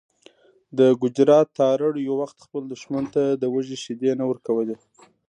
د ګجرات تارړ یو وخت خپل دښمن ته د وزې شیدې نه ورکولې.